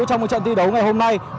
trong trận thi đấu ngày hôm nay